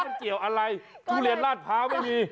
มันเกี่ยวอะไรทุเรียนลาดพร้าวไม่มี